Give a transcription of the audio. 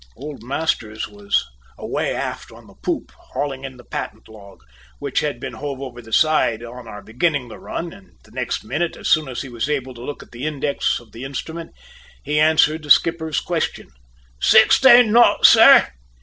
Old Masters was away aft on the poop hauling in the patent log, which had been hove over the side on our beginning the run, and the next minute, as soon as he was able to look at the index of the instrument, he answered the skipper's question. "Sixteen knots, sir!"